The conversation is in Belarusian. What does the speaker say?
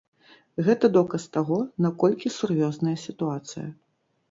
Гэта доказ таго, наколькі сур'ёзная сітуацыя.